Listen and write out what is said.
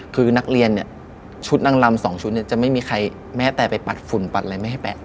คือนักเรียนเนี่ยชุดนางลำสองชุดเนี่ยจะไม่มีใครแม้แต่ไปปัดฝุ่นปัดอะไรไม่ให้แปะ